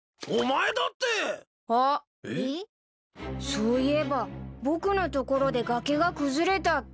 そういえば僕のところで崖が崩れたっけ。